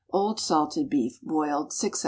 Old salted beef, boiled, 6 h.